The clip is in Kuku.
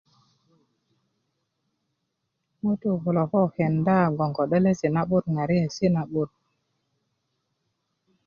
ŋutuu kulo ko kenda gboŋ ko denesi na'but ŋariyeesi' na'but